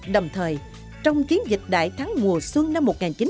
đồng thời trong chiến dịch đại thắng mùa xuân năm một nghìn chín trăm bảy mươi năm